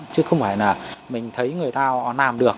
chứ không phải là mình thấy người ta làm được